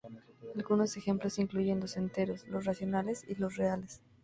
Algunos ejemplos incluyen los enteros, los racionales y los reales.